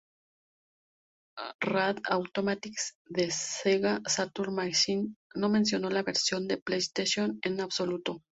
Rad Automatic de "Sega Saturn Magazine" no mencionó la versión de PlayStation en absoluto.